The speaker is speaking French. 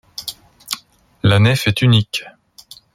La nef est unique.